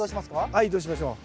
はい移動しましょう。